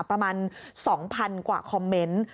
ประมาณ๒๐๐๐กว่าคอมเมนต์